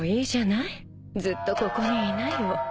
ずっとここにいなよ。